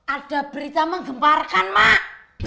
ada berita menggembarkan mak